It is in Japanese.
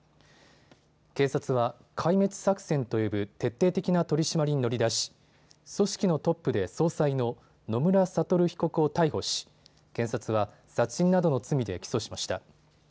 警察は、壊滅作戦と呼ぶ徹底的な取締りに乗り出し組織のトップで総裁の野村悟被告を逮捕し検察は殺人などの罪で起訴しました。